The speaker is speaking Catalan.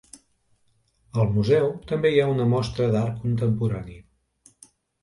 Al museu també hi ha una mostra d'art contemporani.